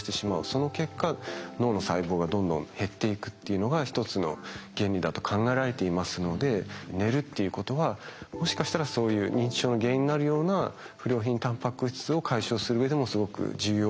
その結果脳の細胞がどんどん減っていくっていうのが一つの原理だと考えられていますので寝るっていうことはもしかしたらそういう認知症の原因になるような不良品タンパク質を解消するうえでもすごく重要だと考えられます。